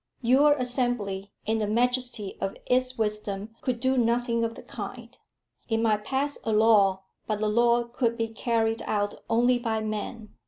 "Your Assembly in the majesty of its wisdom could do nothing of the kind. It might pass a law, but the law could be carried out only by men.